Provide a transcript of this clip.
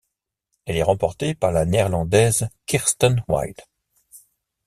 Elle est remportée par la Néerlandaise Kirsten Wild.